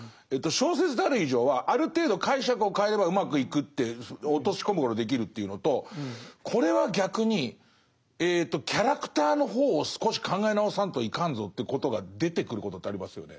小説である以上はある程度解釈を変えればうまくいくって落とし込むことできるというのとこれは逆にキャラクターの方を少し考え直さんといかんぞということが出てくることってありますよね？